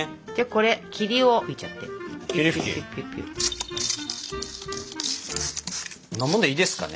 こんなもんでいいですかね？